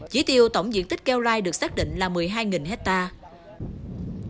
chỉ tiêu tổng diện tích keo lai được xác định là một mươi hai hectare